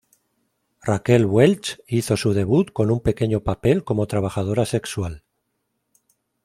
Raquel Welch hizo su debut con un pequeño papel como trabajadora sexual.